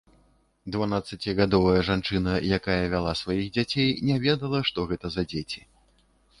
Дванаццацігадовая жанчына, якая вяла сваіх дзяцей, не ведала, што гэта за дзеці.